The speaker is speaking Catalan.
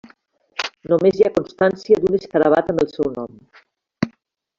Només hi ha constància d'un escarabat amb el seu nom.